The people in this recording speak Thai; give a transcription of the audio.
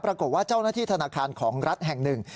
ปรากฏว่าเจ้าหน้าที่ธนาคารของรัฐแห่งหนึ่ง